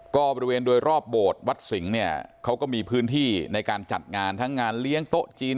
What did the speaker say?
ก็บริเวณโดยรอบโบสถ์วัดสิงห์เนี่ยเขาก็มีพื้นที่ในการจัดงานทั้งงานเลี้ยงโต๊ะจีน